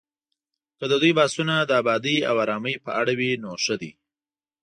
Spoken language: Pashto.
که د دوی بحثونه د ابادۍ او ارامۍ په اړه وي، نو ښه دي